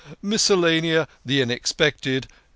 Miscellanea, the unexpected